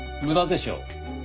無駄でしょう。